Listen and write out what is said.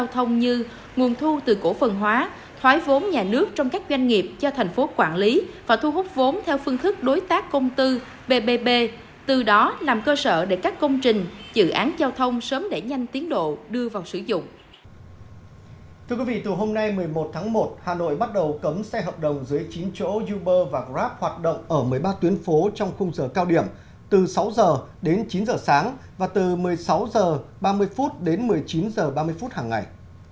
từ sáu giờ đến chín giờ sáng và từ một mươi sáu giờ ba mươi phút đến một mươi chín giờ ba mươi phút hàng ngày